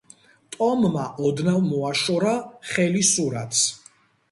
ტომმა ოდნავ მოაშორა ხელი სურათს....